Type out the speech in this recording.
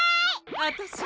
あたしが！